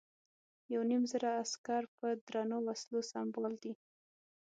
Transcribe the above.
یو نیم زره عسکر په درنو وسلو سمبال دي.